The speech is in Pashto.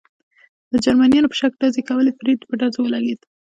د جرمنیانو په شک ډزې کولې، فرید په ډزو ولګېد.